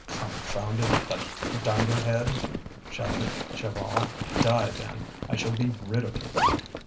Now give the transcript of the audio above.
"Confounded dunderhead!" shouted Chaval. "Die then; I shall be rid of you!"